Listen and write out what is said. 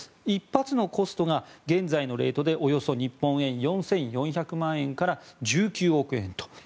１発のコストが現在のレートでおよそ日本円で４４００万円から１９億円と。